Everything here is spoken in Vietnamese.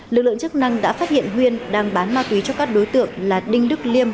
lực lượng chức năng đã phát hiện huyên đang bán ma túy cho các đối tượng là đinh đức liêm